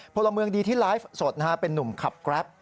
พลเมืองดีที่ไลฟ์สดเป็นนุ่มขับแกรป